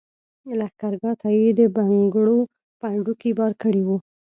لښګرګاه ته یې د بنګړو پنډوکي بار کړي وو.